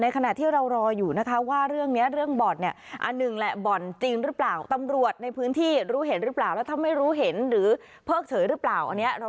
ก็เป็นพนักงานของบอดแหละ